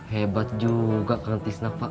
hebat juga kangen tisna pak